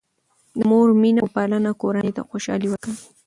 د مور مینه او پالنه کورنۍ ته خوشحالي ورکوي.